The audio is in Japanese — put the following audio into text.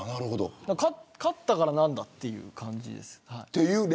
勝ったからなんだっていう感じです。